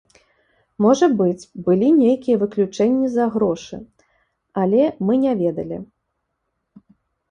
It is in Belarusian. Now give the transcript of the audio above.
Можа быць, былі нейкія выключэнні за грошы, але мы не ведалі.